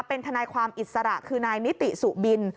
เป็นทนายความอิสระคือนายนิติสุบิน